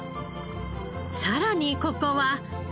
さらにここは。